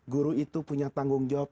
guru itu punya tanggung jawab